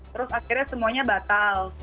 terus akhirnya semuanya batal